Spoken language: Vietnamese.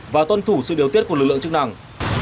và tuân thủ sự điều tiết của lực lượng chức năng